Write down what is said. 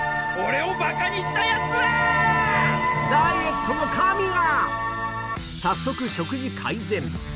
ダイエットの神が！